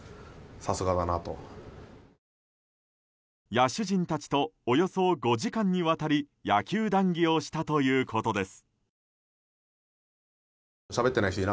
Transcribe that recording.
野手人たちとおよそ５時間にわたり野球談議をしたということです。